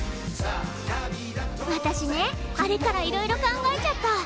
私ねあれからいろいろ考えちゃった。